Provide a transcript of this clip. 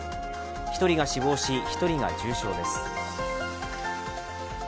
１人が死亡し、１人が重傷です。